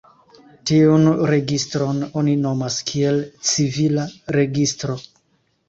Tiun registron oni nomas kiel "civila registro".